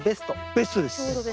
ベストです。